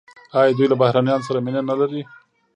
آیا دوی له بهرنیانو سره مینه نلري؟